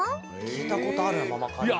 きいたことあるなままかり。